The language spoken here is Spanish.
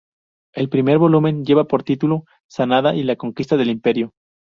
El primer volumen lleva por título: "Sanada y la Conquista del Imperio".